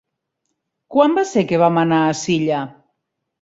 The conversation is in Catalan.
Quan va ser que vam anar a Silla?